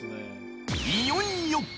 いよいよ！